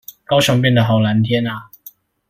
高雄變得好藍天阿